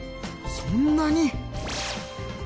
そんなに！？